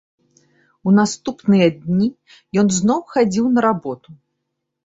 У наступныя дні ён зноў хадзіў на работу.